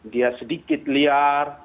dia sedikit liar